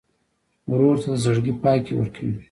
ورور ته د زړګي پاکي ورکوې.